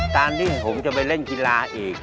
ตอนที่ผมจะไปเล่นกีฬาอีก